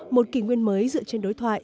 một kỷ nguyên mới dựa trên đối thoại